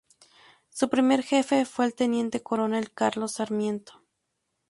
Su primer jefe fue el teniente coronel Carlos Sarmiento.